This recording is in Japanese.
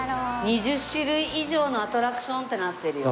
「２０種類以上のアトラクション」ってなってるよ。